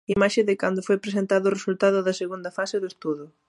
Imaxe de cando foi presentado o resultado da segunda fase do estudo.